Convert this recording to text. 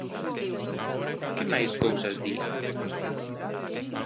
¿Que máis cousas di?